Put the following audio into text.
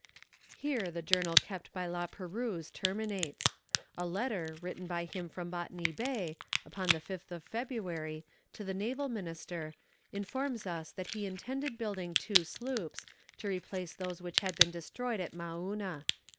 Here the journal kept by La Perouse terminates. A letter, written by him from Botany Bay, upon the 5th of February, to the Naval Minister, informs us that he intended building two sloops, to replace those which had been destroyed at Maouna.